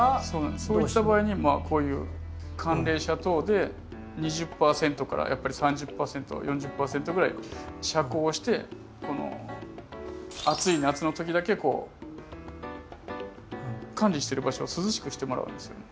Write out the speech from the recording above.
そういった場合にこういう寒冷紗等で２０％から３０％４０％ぐらい遮光をしてこの暑い夏の時だけこう管理してる場所を涼しくしてもらうんですよね。